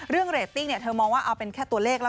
เรตติ้งเธอมองว่าเอาเป็นแค่ตัวเลขแล้ว